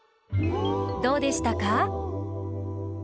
どうでしたか？